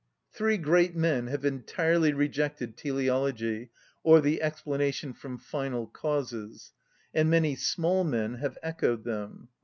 Three great men have entirely rejected teleology, or the explanation from final causes, and many small men have echoed them.